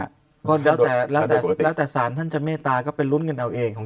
ฮะก็แล้วแต่แล้วแต่สารท่านจำเมตตาก็เป็นรุ้นเงินเอาเองของ